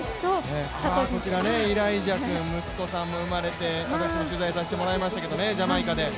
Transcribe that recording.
イライジャ君、息子も産まれて私も取材させてもらいましたけど、ジャマイカで。